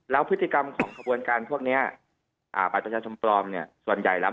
แล้วพฤติกรรมของขบวนการพวกนี้บัตรประชาชนปลอมเนี่ยส่วนใหญ่แล้ว